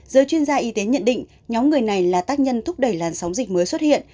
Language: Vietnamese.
giới chuyên gia y tế nhận định nhóm người này là tác nhân thúc đẩy làn sóng dịch mới xuất hiện